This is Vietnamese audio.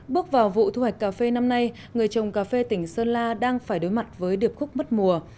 bước vào vụ thu hoạch cà phê năm nay người trồng cà phê tỉnh sơn la đang phải đối mặt với điệp khúc mất mùa